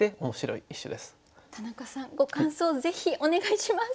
田中さんご感想をぜひお願いします。